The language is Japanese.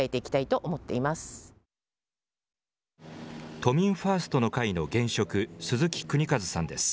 都民ファーストの会の現職、鈴木邦和さんです。